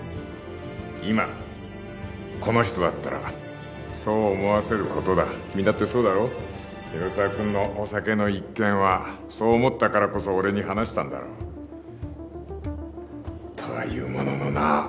今この人だったらそう思わせることだ君だってそうだろ広沢君のお酒の一件はそう思ったからこそ俺に話したんだろとはいうもののな